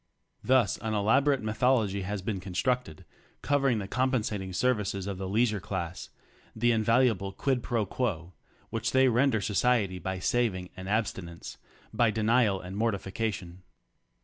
Thus an elaborate mythology has been constructed covering the compensating services of the leisure class — the invaluable quid pro quo which they render society by "saving" and "abstinence," by denial and morti fication.